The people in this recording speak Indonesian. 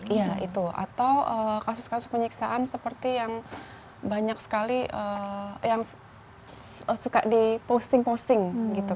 iya itu atau kasus kasus penyiksaan seperti yang banyak sekali yang suka diposting posting gitu